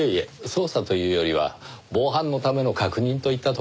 捜査というよりは防犯のための確認といったところで。